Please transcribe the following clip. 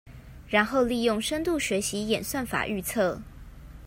然後利用深度學習演算法預測